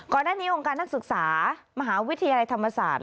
ก่อนหน้านี้องค์การนักศึกษามหาวิทยาลัยธรรมศาสตร์